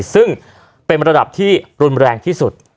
ซึ่งเป็นระดับที่รุนแรงที่สุด